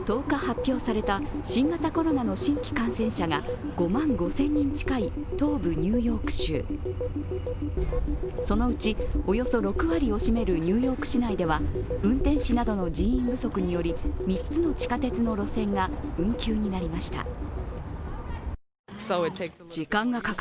１０日、発表された新型コロナの新規感染者が５万５０００人近い東部ニューヨーク州そのうちおよそ６割を占めるニューヨーク市内では運転士などの人員不足により３つの地下鉄の路線が運休になりました。